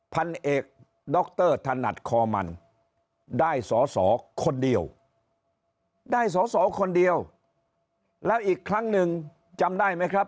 พันเอกดรถนัดคอมันได้สอสอคนเดียวได้สอสอคนเดียวแล้วอีกครั้งหนึ่งจำได้ไหมครับ